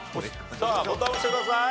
さあボタン押してください。